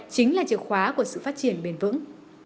chính là chìa khóa của sự phát triển bền vững